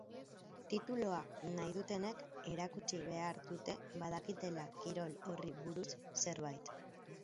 Tituloa nahi dutenek erakutsi behar dute badakitela kirol horri buruz zerbait.